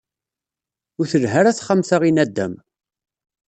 Ur telha ara texxamt-a i nadam.